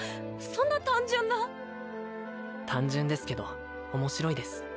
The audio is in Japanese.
そんな単純な単純ですけど面白いです